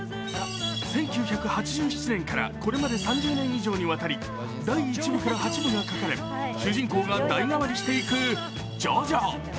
１９８７年からこれまで３０年以上にわたり第１部から８部が描かれ主人公が代替わりしていく「ジョジョ」